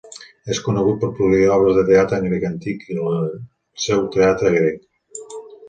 És conegut per produir obres de teatre en grec antic i al seu teatre grec.